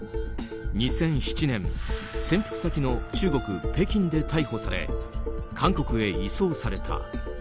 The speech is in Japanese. ２００７年潜伏先の中国・北京で逮捕され韓国へ移送された。